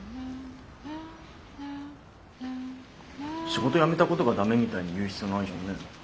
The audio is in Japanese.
仕事辞めたことが駄目みたいに言う必要ないじゃんね。